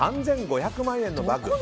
３５００万円のバッグ。